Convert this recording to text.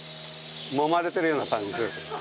もまれてるような感じですよね。